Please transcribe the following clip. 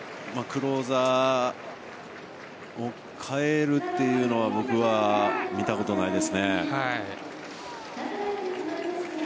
クローザーを代えるというのは僕は見たことがないですね。